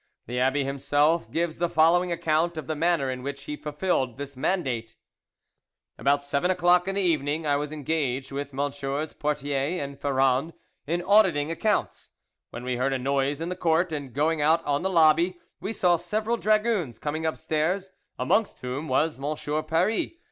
The abbe himself gives the following account of the manner in which he fulfilled this mandate: "About seven o'clock in the evening I was engaged with MM. Porthier and Ferrand in auditing accounts, when we heard a noise in the court, and going out on the lobby, we saw several dragoons coming upstairs, amongst whom was M. Paris.